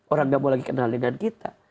orang gak mau lagi kenal dengan kita